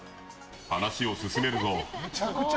話を進めるぞ。